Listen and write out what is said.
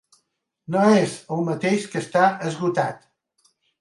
No és el mateix que estar esgotat.